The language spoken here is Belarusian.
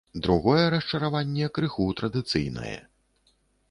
Другое расчараванне крыху традыцыйнае.